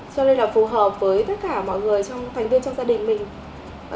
cho nên là phù hợp với tất cả mọi người trong thành viên trong gia đình mình